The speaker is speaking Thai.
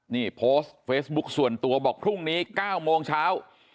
นี่โพสต์เฟซบุ๊คส่วนตัวบอกพรุ่งนี้๙โมงเช้า